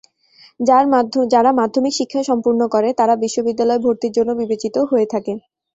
যারা মাধ্যমিক শিক্ষা সম্পূর্ণ করে তারা বিশ্ববিদ্যালয়ে ভর্তির জন্য বিবেচিত হয়ে থাকে।